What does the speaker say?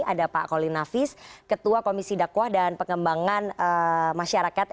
ada pak kolil nafis ketua komisi dakwah dan pengembangan masyarakat